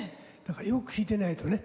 よく聴いてないとね。